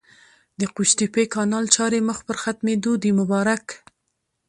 د قوشتېپې کانال چارې مخ پر ختمېدو دي! مبارک